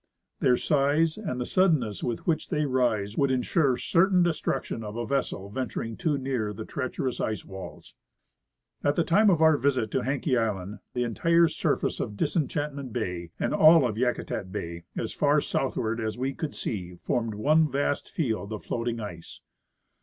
Their size and the sud denness with which they rise would insure certain destruction of a vessel venturing too near the treacherous ice walls. At the time of our visit to Haenke island, the entire surface of Disenchantment bay and all of Yakutat bay as far southward as we could see formed one vast field of floating ice.